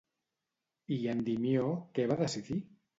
I Endimió què va decidir?